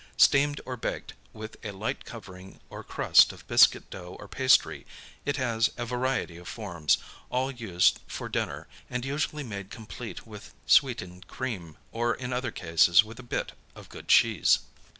Steamed or baked, with a light covering or crust of biscuit dough or pastry, it has a variety of forms, all used for dinner, and usually made complete with sweetened cream, or in other cases with a bit of good cheese.